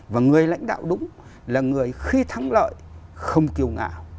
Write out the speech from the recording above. và người lãnh đạo đúng là người khi thắng lợi không kiều ngạo